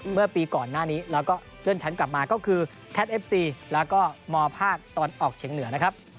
เมื่อปีก่อนหน้านี้แล้วก็เลื่อนชั้นกลับมาก็คือแล้วก็ตอนออกเฉียงเหนือนะครับ